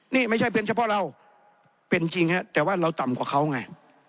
นี่ไม่ใช่เป็นเฉพาะเราเป็นจริงฮะแต่ว่าเราต่ำกว่าเขาไง